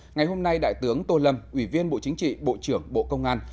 ngày hôm nay đại tướng tô lâm ủy viên bộ chính trị bộ trưởng bộ công an